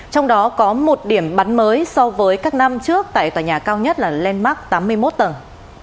trong đó có một điểm bắn mới so với các năm trước tại tòa nhà cao nhất là landmark tám mươi một tầng